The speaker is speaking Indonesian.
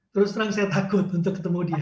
terus terang saya takut untuk ketemu dia